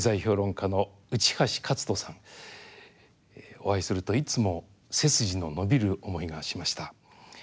お会いするといつも背筋の伸びる思いがしました。